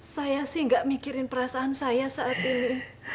saya sih nggak mikirin perasaan saya saat ini